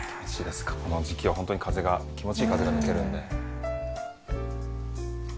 この時期はホントに風が気持ちいい風が抜けるので。